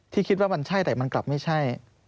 คิดว่ามันใช่แต่มันกลับไม่ใช่